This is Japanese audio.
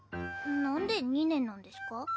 なんで２年なんですか？